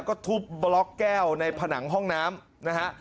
ก็ทุบบล็อกแก้วในผนังห้องน้ำนะฮะ